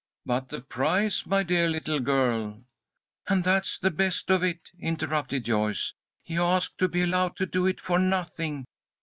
"But the price, my dear little girl " "And that's the best of it," interrupted Joyce. "He asked to be allowed to do it for nothing.